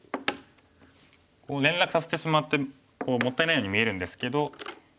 連絡させてしまってもったいないように見えるんですけど。